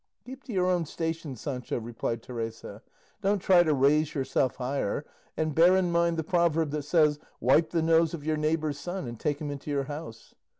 "Keep to your own station, Sancho," replied Teresa; "don't try to raise yourself higher, and bear in mind the proverb that says, 'wipe the nose of your neigbbour's son, and take him into your house.